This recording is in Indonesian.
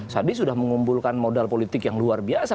sandi sudah mengumpulkan modal politik yang luar biasa